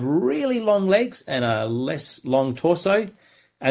beberapa orang memiliki jari yang sangat panjang